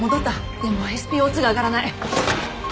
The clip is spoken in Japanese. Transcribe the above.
でもＳｐＯ２が上がらない。